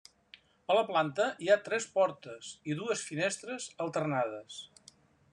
A la planta hi ha tres portes i dues finestres alternades.